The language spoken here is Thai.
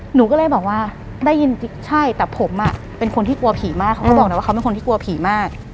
หนูก็เลยบอกว่าได้ยินจริงใช่แต่ผมเป็นคนที่กลัวผีมากเขาก็บอกเลยว่าเขาเป็นคนที่กลัวผีมาก